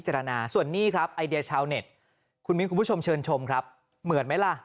ใช่ครับใช่ครับแต่ตอนแรกเราคิดว่าเป็นอะไร